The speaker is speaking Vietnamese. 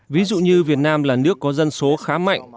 ví dụ như việt nam là nước có dân số khá mạnh